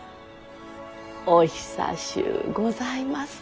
お久しゅうございますのう。